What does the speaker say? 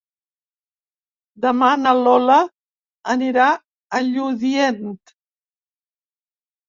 Demà na Lola anirà a Lludient.